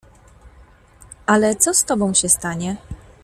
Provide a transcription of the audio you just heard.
"Ale co z tobą się stanie?"